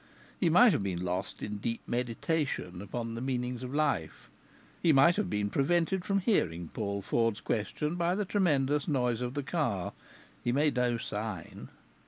He might have been lost in deep meditation upon the meanings of life; he might have been prevented from hearing Paul Ford's question by the tremendous noise of the car. He made no sign.